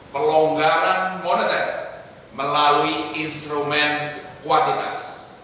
pelonggaran moneter melalui instrumen kualitas